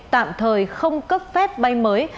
tạm thời không cấp phép bay mới